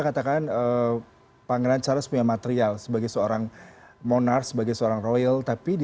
katakan pangeran charles punya material sebagai seorang monar sebagai seorang royal tapi di